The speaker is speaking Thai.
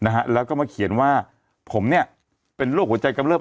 นะฮะแล้วก็มาเขียนว่าผมเนี่ยเป็นโรคหัวใจกำเริบ